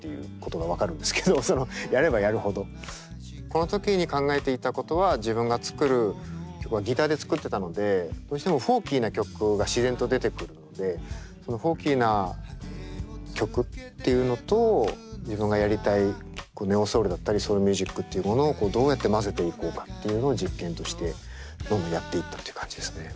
この時に考えていたことは自分が作る曲はギターで作ってたのでどうしてもフォーキーな曲が自然と出てくるのでそのフォーキーな曲っていうのと自分がやりたいネオソウルだったりソウルミュージックっていうものをどうやって混ぜていこうかっていうのを実験としてどんどんやっていったっていう感じですね。